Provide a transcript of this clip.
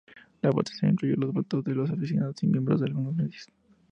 La votación incluyó los votos de los aficionados y miembros de algunos medios.